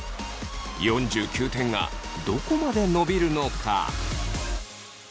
４９点がどこまで伸びるのか。